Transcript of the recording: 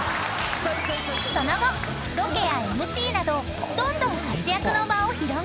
［その後ロケやＭＣなどどんどん活躍の場を広げ］